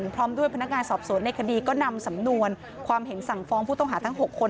พร้อมด้วยพนักงานสอบสวนในคดีก็นำสำนวนความเห็นสั่งฟ้องผู้ต้องหาทั้ง๖คน